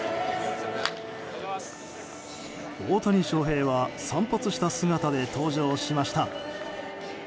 大谷翔平は散髪した姿で登場しました。